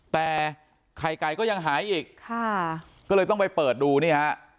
แต่ไข่ไก่ก็ยังหายอีกค่ะก็เลยต้องไปเปิดดูนี่ฮะ